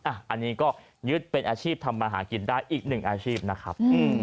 อันนี้ก็ยึดเป็นอาชีพทำมาหากินได้อีกหนึ่งอาชีพนะครับ